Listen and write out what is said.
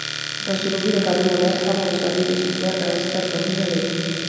سروبي، د کابل ولایت هغه ولسوالۍ ده چې دوه ستر بندونه لري.